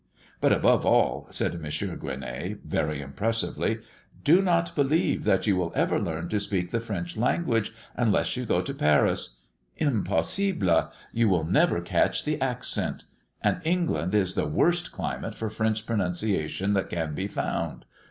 But above all," said M. Gueronnay, very impressively, "do not believe that you will ever learn to speak the French language unless you go to Paris. Impossible; you will never catch the accent. And England is the worst climate for French pronunciation that can be found.